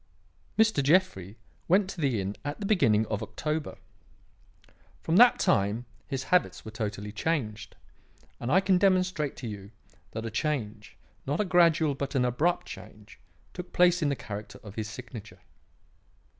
Mr. Jeffrey went to the inn at the beginning of October. From that time his habits were totally changed, and I can demonstrate to you that a change not a gradual, but an abrupt change took place in the character of his signature.